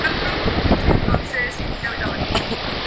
Interpretado por el actor William Hurt.